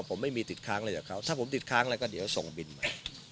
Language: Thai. ผมไม่มีติดค้างอะไรกับเขาถ้าผมติดค้างอะไรก็เดี๋ยวส่งบินมา